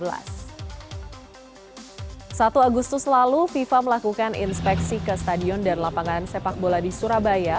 satu agustus lalu fifa melakukan inspeksi ke stadion dan lapangan sepak bola di surabaya